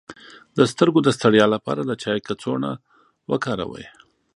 د سترګو د ستړیا لپاره د چای کڅوړه وکاروئ